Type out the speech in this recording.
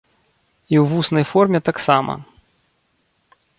І ў вуснай форме таксама.